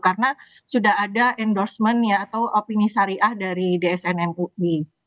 karena sudah ada endorsement ya atau opini syariah dari dsn nui